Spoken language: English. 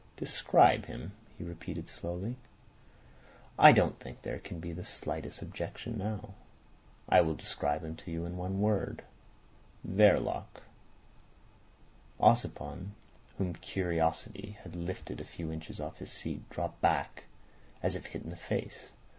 "Describe him," he repeated slowly. "I don't think there can be the slightest objection now. I will describe him to you in one word—Verloc." Ossipon, whom curiosity had lifted a few inches off his seat, dropped back, as if hit in the face.